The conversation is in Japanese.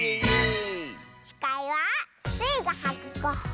しかいはスイがはくゴッホ。